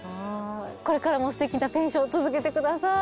これからもすてきなペンション続けてください。